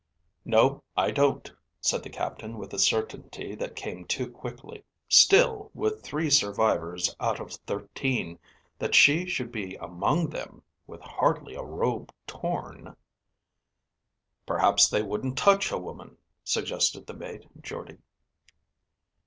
"No, I don't," said the captain with a certainty that came too quickly. "Still, with three survivors out of thirteen, that she should be among them, with hardly a robe torn." "Perhaps they wouldn't touch a woman," suggested the mate, Jordde.